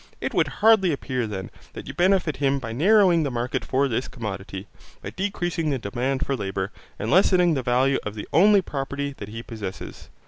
It would hardly appear then that you benefit him by narrowing the market for this commodity, by decreasing the demand for labour, and lessening the value of the only property that he possesses.